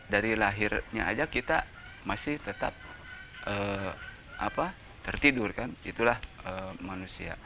dari lahirnya aja kita masih tetap tertidur kan itulah manusia